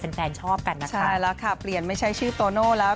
แฟนชอบกันนะคะใช่แล้วค่ะเปลี่ยนไม่ใช่ชื่อโตโน่แล้ว